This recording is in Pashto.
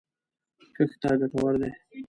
کښت ته ګټور دی